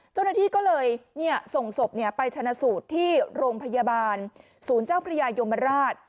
เจ้าหน้าที่ก็เลยส่งศพไปชนะสูตรที่โรงพยาบาลศูนย์เจ้าพระยายมราช